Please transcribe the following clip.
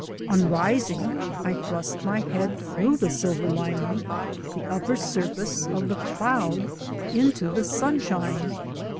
On rising I thrust my head through the silver lining — the upper surface — of the cloud into the sunshine.